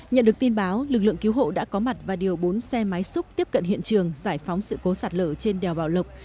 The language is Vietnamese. nhận được tin báo lực lượng cứu hộ đã có mặt và điều bốn xe máy xúc tiếp cận hiện trường giải phóng sự cố sạt lở trên đèo bảo lộc